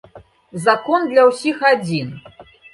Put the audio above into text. Закон для ўсіх адзін.